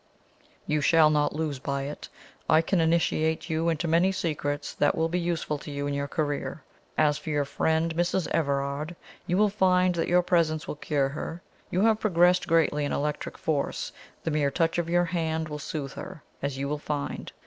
"You shall not lose by it. I can initiate you into many secrets that will be useful to you in your career. As for your friend Mrs. Everard, you will find that your presence will cure her. You have progressed greatly in electric force: the mere touch of your hand will soothe her, as you will find.